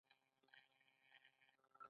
ـ خرهغه خو کته یې بدله ده .